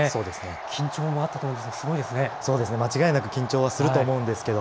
緊張もあったと思うんですけどすごいですね。